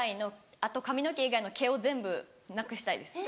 あと髪の毛以外の毛を全部なくしたいです。